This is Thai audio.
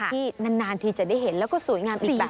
ที่นานทีจะได้เห็นแล้วก็สวยงามอีกแบบ